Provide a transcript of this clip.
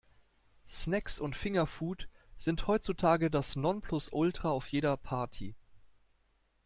Snacks und Fingerfood sind heutzutage das Nonplusultra auf jeder Party.